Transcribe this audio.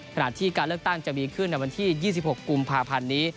ขณะที่การเลือกตั้งจะมีขึ้นในวันที่๒๖กุมภาพันธ์นี้